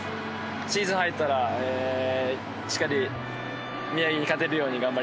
シーズン入ったらしっかり宮城に勝てるように頑張ります。